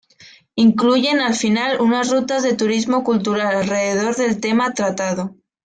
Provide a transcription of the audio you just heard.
Incluyen, al final, unas rutas de turismo cultural, alrededor del tema tratado.